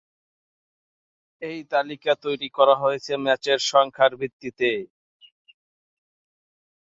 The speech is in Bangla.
এই তালিকা তৈরি করা হয়েছে ম্যাচের সংখ্যার ভিত্তিতে।